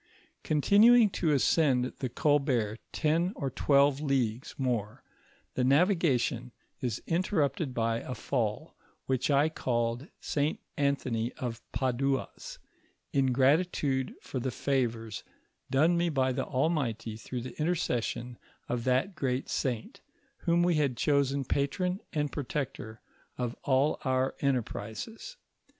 Oontinuing to ascend the Colbert ten or twelve leagues more, the navigation is intermpted by a fall, which I called St. Anthony of Padua's, in gratitude for the favors done me by the Almighty through the intercession of that great saint, whom we had chosen patron and protector of all our enterprises.